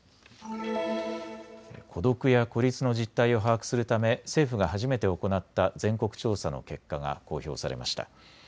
孤独や孤立の実態を把握するため政府が初めて行った全国調査の結果が公表されました。